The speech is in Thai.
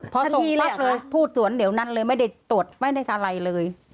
พอส่งปั๊บเลยพูดสวนเดี๋ยวนั้นเลยไม่ได้ตรวจไม่ได้อะไรเลย